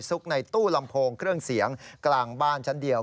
ในตู้ลำโพงเครื่องเสียงกลางบ้านชั้นเดียว